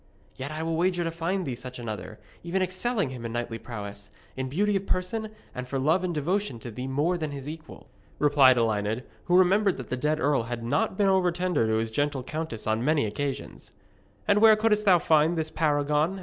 'Yet I will wager to find thee such another, even excelling him in knightly prowess, in beauty of person, and for love and devotion to thee more than his equal,' replied Elined, who remembered that the dead earl had not been over tender to his gentle countess on many occasions. 'And where couldst thou find this paragon?'